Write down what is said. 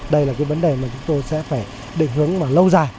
đây là cái vấn đề mà chúng tôi sẽ phải định hướng mà lâu dài